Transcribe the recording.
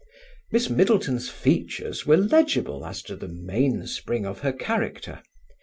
Miss Middleton's features were legible as to the mainspring of her character.